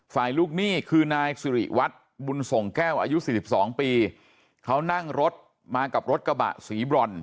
ลูกหนี้คือนายสิริวัตรบุญส่งแก้วอายุสี่สิบสองปีเขานั่งรถมากับรถกระบะสีบรอน